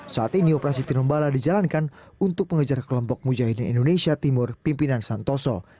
saat ini operasi tinombala dijalankan untuk mengejar kelompok mujahidin indonesia timur pimpinan santoso